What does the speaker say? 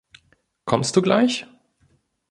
Kommst du gleich?